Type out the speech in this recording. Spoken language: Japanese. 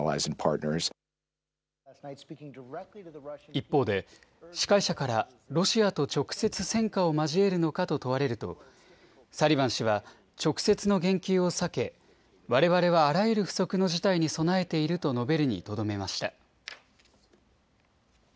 一方で司会者からロシアと直接戦火を交えるのかと問われるとサリバン氏は直接の言及を避けわれわれはあらゆる不測の事態に備えていると述べるにとどめました。